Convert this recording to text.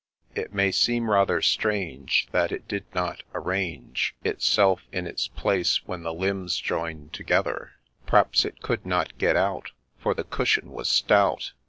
It may seem rather strange, that it did not arrange Itself in its place when the limbs join'd together ; P'rhaps it could not get out, for the cushion was stout.